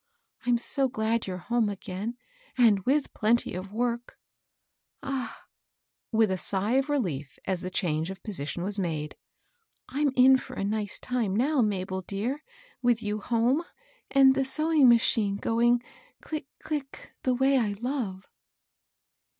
I'm so glad you're home again, and with plenty of work I Ah I" with a sigh of relief, as the change of position was made, " I'm in for a nice time now, Mabel dear I with you home, and the sewing ma chine going click, click, the way I love."